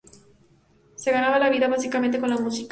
Se ganaba la vida básicamente con la música.